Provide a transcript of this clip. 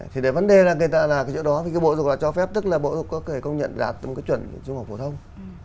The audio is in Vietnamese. thì để vấn đề là người ta làm cái chỗ đó thì cái bộ giáo dục và đào tạo cho phép tức là bộ giáo dục có thể công nhận đạt một cái chuẩn trung học phổ thông